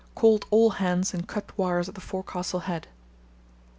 Called all hands and cut wires at the forecastle head.